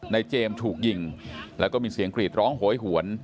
เจมส์ถูกยิงแล้วก็มีเสียงกรีดร้องโหยหวน